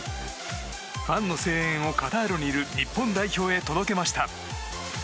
ファンの声援を、カタールにいる日本代表に届けました。